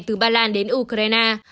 từ bà đan đến ukraine